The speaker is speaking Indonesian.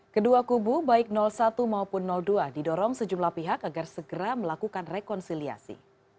kedua kubu baik satu maupun dua didorong sejumlah pihak agar segera melakukan rekonsiliasi